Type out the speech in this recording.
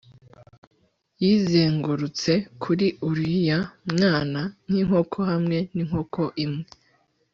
Yizengurutse kuri uriya mwana nkinkoko hamwe ninkoko imwe